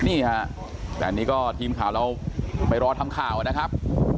นี่ฮะแต่อันนี้ก็ทีมข่าวเราไปรอทำข่าวนะครับ